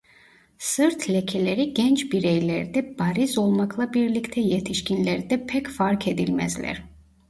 Sırt lekeleri genç bireylerde bariz olmakla birlikte yetişkinlerde pek fark edilmezler.